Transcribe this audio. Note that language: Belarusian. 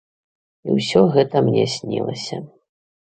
І ўсё гэта мне снілася.